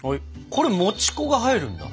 これもち粉が入るんだ。